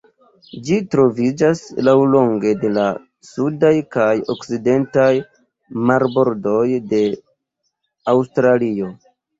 Ĝi troviĝas laŭlonge de la sudaj kaj okcidentaj marbordoj de Aŭstralio.